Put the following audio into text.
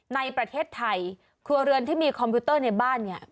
ในประเทศไทยครัวเรือนที่มีคอมพิวเตอร์ในบ้านเนี่ย